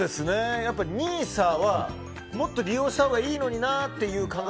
ＮＩＳＡはもっと利用したほうがいいのになっていう感じが。